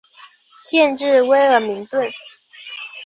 县治威尔明顿。